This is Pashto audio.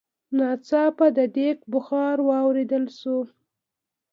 ناڅاپه د ديګ بخار واورېدل شو.